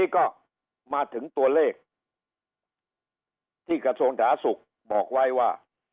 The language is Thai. ก็มาถึงตัวเลขที่กระทรวงฐาศุกร์บอกไว้ว่า